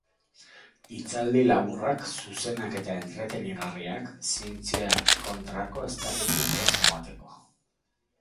Hitzaldi laburrak, zuzenak eta entretenigarriak, zientzia kontrako eztarritik ez joateko.